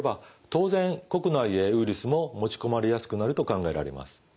当然国内へウイルスも持ち込まれやすくなると考えられます。